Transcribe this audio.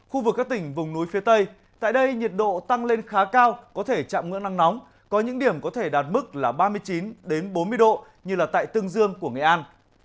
khu vực các tỉnh vùng núi phía tây tại đây nhiệt độ tăng lên khá cao có thể chạm ngưỡng nắng nóng có những điểm có thể đạt mức là ba mươi chín bốn mươi độ như là tại tương dương của nghệ an